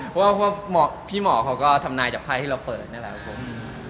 เพราะว่าพี่หมอเขาก็ทำนายจากไพ่ที่เราเปิดนี่แหละครับผม